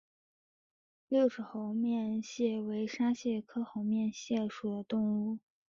六齿猴面蟹为沙蟹科猴面蟹属的动物。